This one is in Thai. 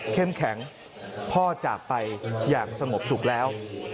แข็งพ่อจากไปอย่างสงบสุขแล้ว